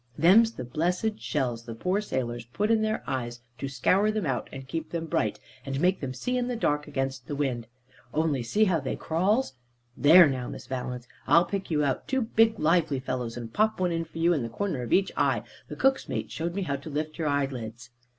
Them's the blessed shells the poor sailors put in their eyes to scour them out, and keep them bright, and make them see in the dark against the wind. Only see how they crawls. There now, Miss Valence, I'll pick you out two big lively fellows, and pop one for you in the corner of each eye; the cook's mate showed me how to lift your eyelids."